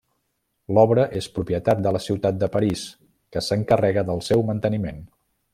L'obra és propietat de la ciutat de París que s'encarrega del seu manteniment.